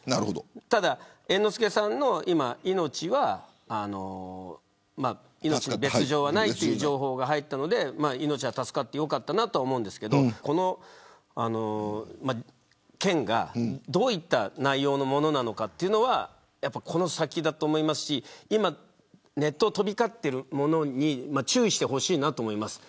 ただ、猿之助さんの命は別条はないという情報が入ったので命は助かってよかったと思いますがこの件がどういった内容のものなのかというのはこの先だと思いますし今ネットを飛び交っているものに注意してほしいなと思います。